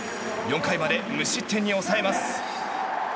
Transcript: ４回まで無失点に抑えます。